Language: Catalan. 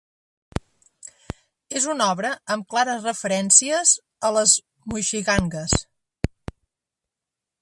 És una obra amb clares referències a les moixigangues.